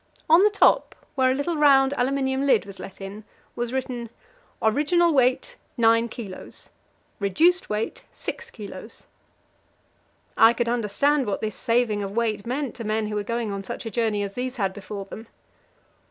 On the top, where a little round aluminium lid was let in, was written: "Original weight, 9 kilos; reduced weight, 6 kilos." I could understand what this saving of weight meant to men who were going on such a journey as these had before them.